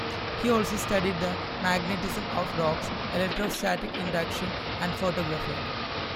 He also studied the magnetism of rocks, electrostatic induction and photography.